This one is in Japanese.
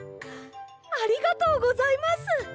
ありがとうございます！